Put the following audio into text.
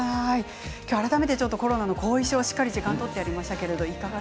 今日、改めてコロナの後遺症しっかり時間を取ってやりましたね。